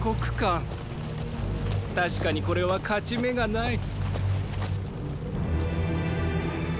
たしかにこれは勝ち目がない。